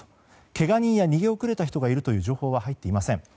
けが人や逃げ遅れた人がいるという情報は入っていません。